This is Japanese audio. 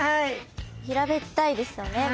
平べったいですよね。